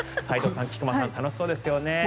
斎藤さん、菊間さん楽しそうですよね。